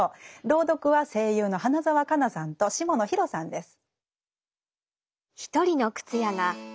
朗読は声優の花澤香菜さんと下野紘さんです。